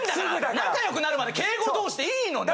仲良くなるまで敬語同士でいいのに。